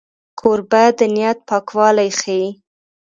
کوربه د نیت پاکوالی ښيي.